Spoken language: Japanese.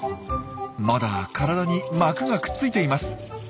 まだ体に膜がくっついています。